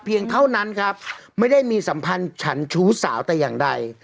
เท่านั้นครับไม่ได้มีสัมพันธ์ฉันชู้สาวแต่อย่างใด